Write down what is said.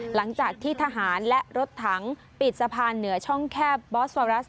หลังจากที่ทหารและรถถังปิดสะพานเหนือช่องแคบบอสเวอรัส